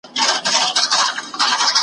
پسرلی نسته ملیاره چي رانه سې .